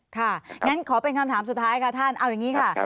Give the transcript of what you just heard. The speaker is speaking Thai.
งั้นขอเป็นคำถามสุดท้ายค่ะท่านเอาอย่างนี้ค่ะ